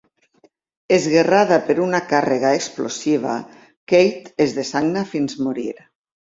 Esguerrada per una càrrega explosiva, Kate es dessagna fins morir.